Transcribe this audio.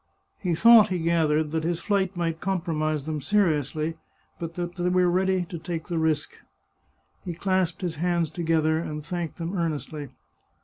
He thought he gathered that his flight might compromise them seriously, but that they were ready to take the risk. He clasped his hands together and thanked them earnestly.